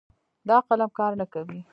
دا قلم کار نه کوي